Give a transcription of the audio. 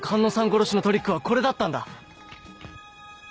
殺しのトリックはこれだったんだ！